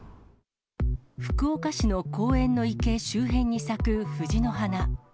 福岡市の公園の池周辺に咲く藤の花。